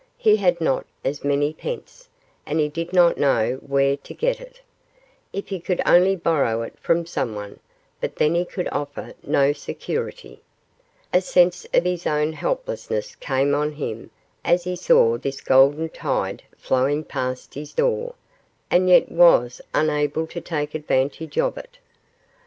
He had not as many pence, and he did not know where to get it. If he could only borrow it from someone but then he could offer no security. A sense of his own helplessness came on him as he saw this golden tide flowing past his door, and yet was unable to take advantage of it.